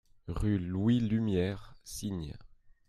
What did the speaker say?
Rue Louis Lumiére, Signes